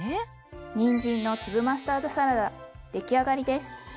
にんじんの粒マスタードサラダ出来上がりです。